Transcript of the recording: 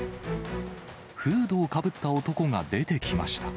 フードをかぶった男が出てきました。